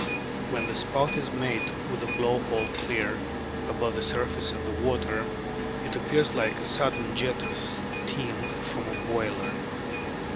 When the spout is made with the blow hole clear above the surface of the water, it appears like a sudden jet of steam from a boiler.